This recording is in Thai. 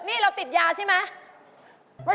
นี่เราติดยาใช่ไหม